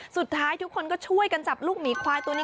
สุดท้ายทุกคนก็ช่วยกันจับลูกหมีควายตัวนี้